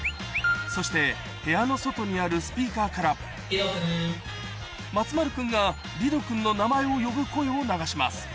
そして部屋の外にあるスピーカーから松丸君がリドくんの名前を呼ぶ声を流します